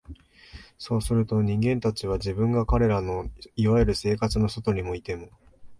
そうすると、人間たちは、自分が彼等の所謂「生活」の外にいても、